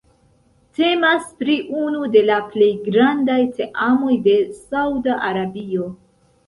Temas pri unu de la plej grandaj teamoj de Sauda Arabio.